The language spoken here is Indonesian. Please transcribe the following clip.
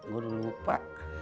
gue udah lupa